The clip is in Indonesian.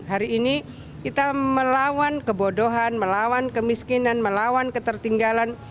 hari ini kita melawan kebodohan melawan kemiskinan melawan ketertinggalan